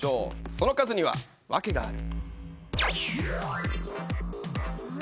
その数字にはワケがある。